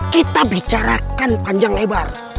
kita bicarakan panjang lebar